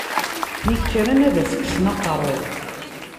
Mi kren ad as-kksen aqerru!